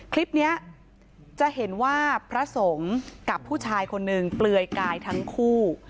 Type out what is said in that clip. คลิปนี้จะเห็นว่าพระสงฆ์กับผู้ชายคนหนึ่งเปลือยกายทั้งคู่